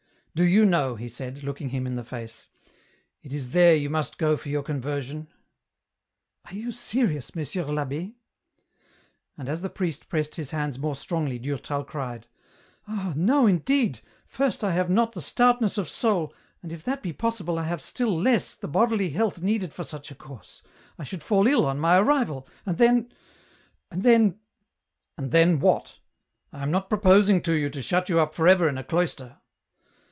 " Do you know," he said, looking him in the face, " it is there you must go for your conversion ?"" Are you serious, Monsieur I'Abb^ ?" And as the priest pressed his hands more strongly Durtal cried, —" Ah, no indeed, first I have not the stoutness of soul, and if that be possible I have still less the bodily health needed for such a course, I should fall ill on my arrival, and then ... and then ..."" And then, what ? I am not proposing to you to shut you up for ever in a cloister."